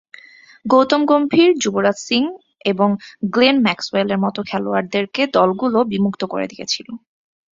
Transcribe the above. গৌতম গম্ভীর, যুবরাজ সিং এবং Glenn Maxwell মতো খেলোয়াড়দেরকে দলগুলো বিমুক্ত করে দিয়েছিল।